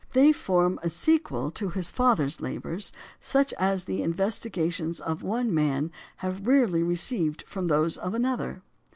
They form a sequel to his father's labours such as the investigations of one man have rarely received from those of another.